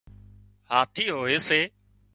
هاٿِي هوئي سي